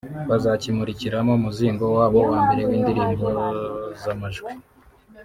bazakimurikiramo umuzingo wabo wa mbere w’indirimbo z’amajwi